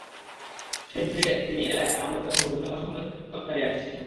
সেই থেকে তিনি এলাকায় মাদক, জুয়াসহ বিভিন্ন অসামাজিক কার্যকলাপ চালিয়ে আসছিলেন।